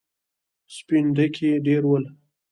سپين ډکي ډېر ول.